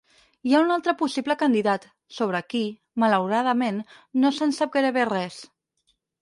Hi ha un altre possible candidat, sobre qui, malauradament, no se'n sap gairebé res.